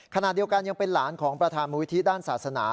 ขณะเดียวกันยังเป็นหลานของประธานมูลวิธีด้านศาสนา